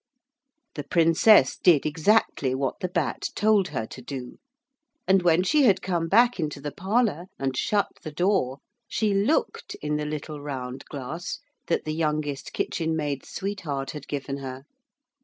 The Princess did exactly what the Bat told her to do, and when she had come back into the parlour and shut the door she looked in the little round glass that the youngest kitchen maid's sweetheart had given her.